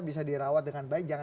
bisa dirawat dengan baik